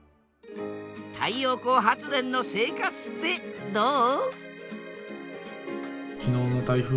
太陽光発電の生活ってどう？